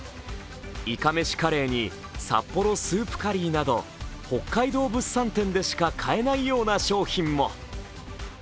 いかめしカレーに札幌スープカリーなど北海道物産展でしか買えないような商品も。